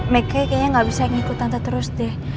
make kayaknya gak bisa ngikut tante terus deh